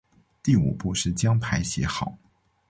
第五步是将牌写好。